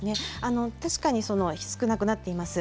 確かに少なくなっています。